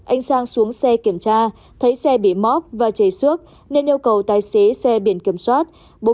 anh sang xuống xe kiểm tra thấy xe bị móc và chảy xước nên yêu cầu tài xế xe biển kiểm soát